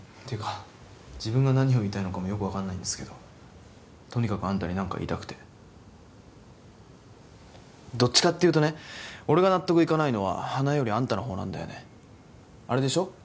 ていうか自分が何を言いたいのかもよく分かんないんですけどとにかくあんたに何か言いたくてどっちかっていうとね俺が納得いかないのは花枝よりあんたのほうなんだよねあれでしょ？